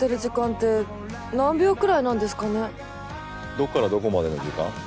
どこからどこまでの時間？